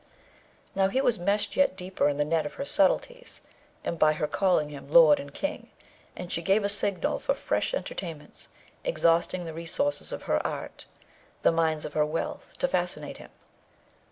Now, he was meshed yet deeper in the net of her subtleties, and by her calling him 'lord and king'; and she gave a signal for fresh entertainments, exhausting the resources of her art, the mines of her wealth, to fascinate him.